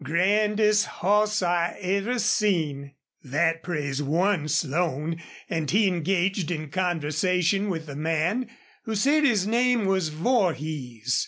Grandest hoss I ever seen!" That praise won Slone, and he engaged in conversation with the man, who said his name was Vorhees.